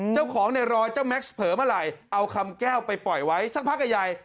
เจ้าของในรอยเจ้าแม็กซ์เผลอเมื่อไหร่เอาคำแก้วไปปล่อยไว้สักพักใหญ่